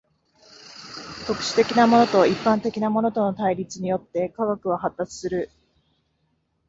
特殊的なものと一般的なものとの対立によって科学は発達する。